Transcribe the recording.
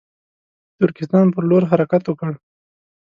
ترکستان پر لور حرکت وکړ.